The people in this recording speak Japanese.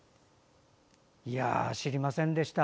知りませんでした。